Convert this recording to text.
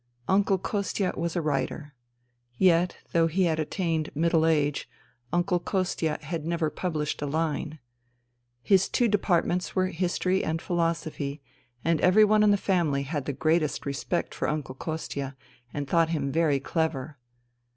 Uncle Kostia was a writer. Yet, though he had attained middle age. Uncle Kostia had never published a line. His two departments were history and philosophy, and every one in the family had the greatest respect for Uncle Kostia and thought him very clever.